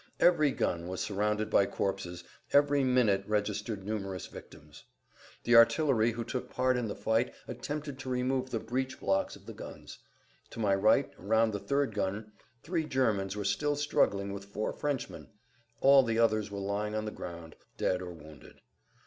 Every gun was surrounded by corpses, every minute registered numerous victims. The artillery who took part in the fight attempted to remove the breech blocks of the guns. To my right, around the third gun, three Germans were still struggling with four Frenchmen; all the others were lying on the ground dead or wounded.